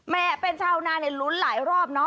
แม่เป็นชาวนานลุ้นหลายรอบ